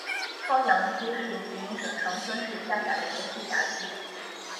双阳区是吉林省长春市下辖的一个市辖区。